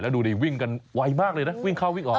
ดูดิวิ่งกันไวมากเลยนะวิ่งเข้าวิ่งออก